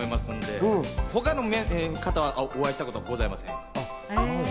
他の方はお会いしたこと、ございません。